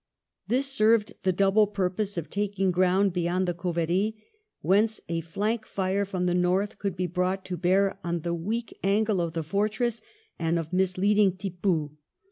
This served the double pur pose of taking ground beyond the Cauvery, whence a flank fire from the north could be brought to bear on the weak angle of the fortress, and of misleading Tippoo.